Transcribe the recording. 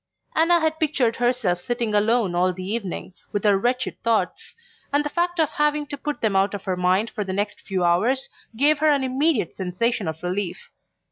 Anna had pictured herself sitting alone all the evening with her wretched thoughts, and the fact of having to put them out of her mind for the next few hours gave her an immediate sensation of relief.